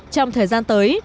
trong thời gian tới